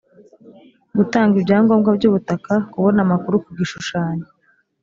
gutanga ibyangombwa by ubutaka kubona amakuru ku gishushanyo